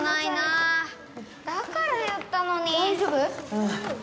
うん。